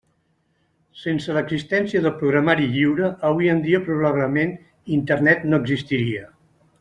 Sense l'existència del programari lliure, avui en dia probablement Internet no existiria.